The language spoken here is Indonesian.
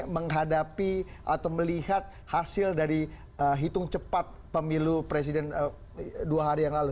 menghadapi atau melihat hasil dari hitung cepat pemilu presiden dua hari yang lalu